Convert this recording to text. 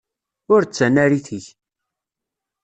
Ur d tanarit-ik.